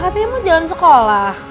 katanya mau jalan sekolah